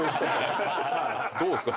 どうっすか？